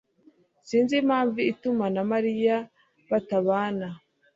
Sinzi impamvu ituma na Mariya batabana.